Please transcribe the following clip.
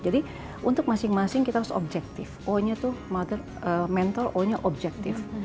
jadi untuk masing masing kita harus objektif o nya itu mentor o nya objektif